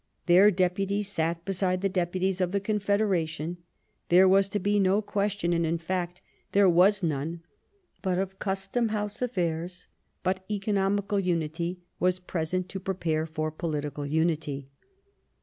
Their Deputies sat beside the Deputies of the Confederation ; there was to be no question, and in fact there was 114 Sadowa none, but of Custom house affairs, but economical unity was present to prepare for political unity.